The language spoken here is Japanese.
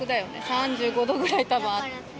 ３５度ぐらいたぶんあって。